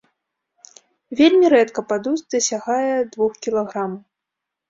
Вельмі рэдка падуст дасягае двух кілаграмаў.